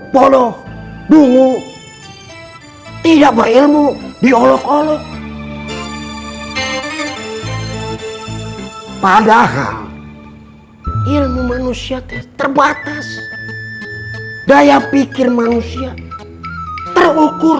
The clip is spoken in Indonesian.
polo dungu tidak berilmu diolok olok padahal ilmu manusia terbatas daya pikir manusia terukur